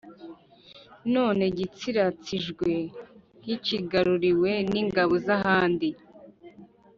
none gitsiratsijwe nk’ikigaruriwe n’ingabo z’ahandi.